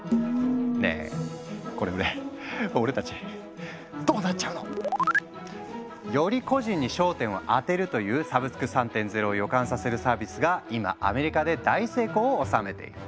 ねえこれで俺たちどうなっちゃうの？より個人に焦点を当てるというサブスク３．０を予感させるサービスが今アメリカで大成功を収めている。